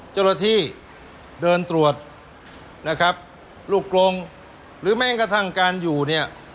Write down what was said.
เจ้าหน้าที่เดินตรวจนะครับลูกกลงหรือแม้กระทั่งการอยู่เนี่ย